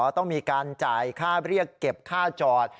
ต้องมีการจ่ายค่าเรียกเก็บค่าจอด